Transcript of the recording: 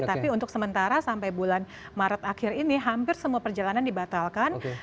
tapi untuk sementara sampai bulan maret akhir ini hampir semua perjalanan dibatalkan